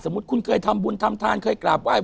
สมมุติคุณเคยทำบุญทำทานเคยกราบว่า